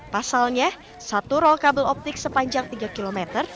pasalnya satu roll kabel optik sepanjang tiga km